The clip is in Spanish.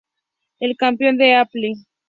El campeón del Ape.